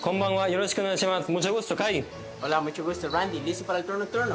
よろしくお願いします。